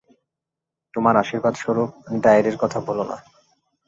তোমার আশির্বাদস্বরূপ ডায়েরির কথা ভুলো না।